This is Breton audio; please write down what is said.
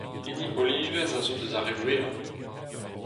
Hini olivez a zo eus ar re wellañ.